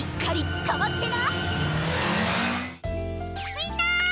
みんな！